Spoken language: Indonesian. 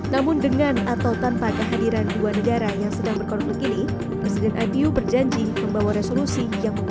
namun dengan atau tanpa kehadiran dua negara yang sedang berkonflik ini presiden ipu berjanji membawa resolusi